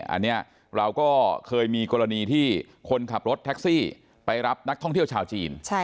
อันนี้เราก็เคยมีกรณีที่คนขับรถแท็กซี่ไปรับนักท่องเที่ยวชาวจีน